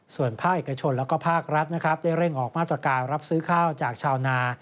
ส่วนภาคเอกชนและภาครัฐนะครับได้เร่งออกมาตรการรับซื้อข้าวจากชาวนา